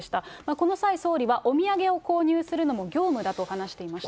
この際、総理は、お土産を購入するのも業務だと話していました。